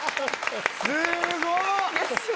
すーごい！